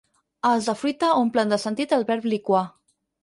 Els de fruita omplen de sentit el verb liquar.